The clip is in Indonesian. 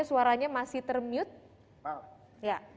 suaranya masih termute